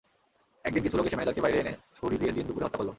একদিন কিছু লোক এসে ম্যানেজারকে বাইরে এনে ছুরি দিয়ে দিনদুপুরে হত্যা করল।